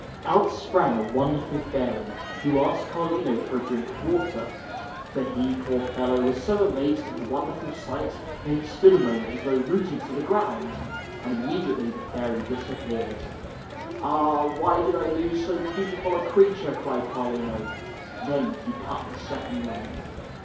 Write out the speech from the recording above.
Out sprang a wonderful fairy, who asked Carlino for a drink of water. But he, poor fellow, was so amazed at the wonderful sight [ 5 ] FAVORITE FAIRY TALES RETOLD that he stood a moment as though rooted to the ground. And immediately the fairy dis appeared. '' Ah, why did I lose so beautiful a crea ture !" cried Carlino. Then he cut the second lemon.